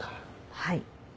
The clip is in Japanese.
はい。